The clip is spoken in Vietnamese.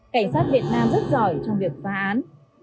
cảnh sát việt nam rất giỏi trong việc phá án